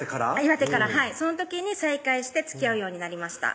岩手からその時に再会してつきあうようになりました